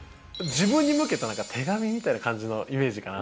自分に向けた手紙みたいな感じのイメージかな。